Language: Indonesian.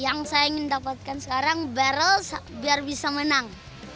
yang saya ingin dapatkan sekarang barrel biar bisa menang